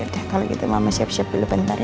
yaudah kalau gitu mama siap siap dulu bentar ya